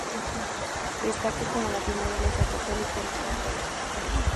Destaca como la primera iglesia católica en todo Tokio.